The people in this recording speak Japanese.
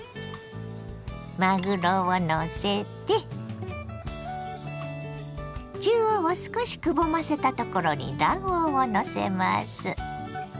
まぐろをのせて中央を少しくぼませたところに卵黄をのせます。